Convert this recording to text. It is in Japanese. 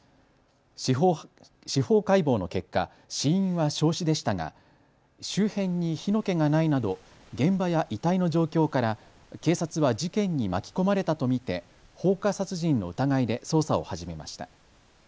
司法解剖の結果、死因は焼死でしたが周辺に火の気がないなど現場や遺体の状況から警察は事件に巻き込まれたと見て放火殺人の疑いで捜査を始めました。